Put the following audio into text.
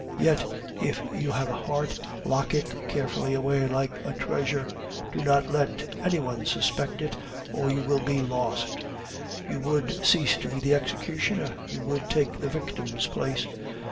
Yet, if you have a heart, lock it carefully away like a treasure; do not let any one suspect it, or you will be lost; you would cease to be the executioner, you would take the victim's place.